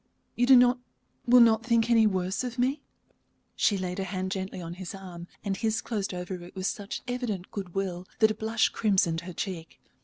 You do not will not think any worse of me?" She laid her hand gently on his arm, and his closed over it with such evident good will that a blush crimsoned her cheek.